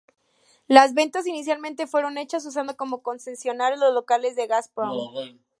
Las ventas inicialmente fueron hechas usando como concesionarios los locales de la Gazprom.